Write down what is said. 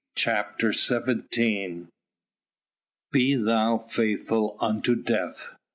CHAPTER XVII "Be thou faithful unto death."